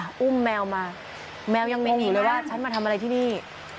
อุ้มแมวมาแมวยังงงอยู่เลยว่าฉันมาทำอะไรที่นี่